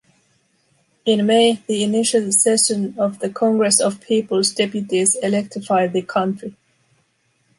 In May the initial session of the Congress of People's Deputies electrified the country.